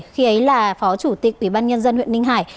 khi ấy là phó chủ tịch ủy ban nhân dân huyện ninh hải